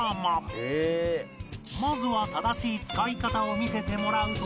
まずは正しい使い方を見せてもらうと